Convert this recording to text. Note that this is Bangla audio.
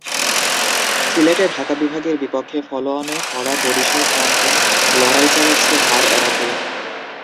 সিলেটে ঢাকা বিভাগের বিপক্ষে ফলোঅনে পড়া বরিশাল প্রাণপণ লড়াই চালাচ্ছে হার এড়াতে।